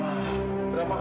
jangan berpikir pikir ma